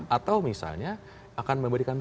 atau misalnya akan memberikan